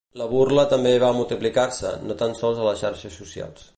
La burla també va multiplicar-se, no tan sols a les xarxes socials.